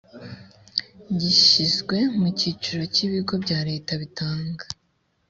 gishyizwe mu cyiciro cy ibigo bya leta bitanga